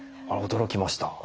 驚きました。